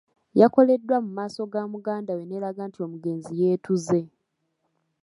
Yakoledwa mu maaso ga muganda we n’eraga nti omugenzi yeetuze.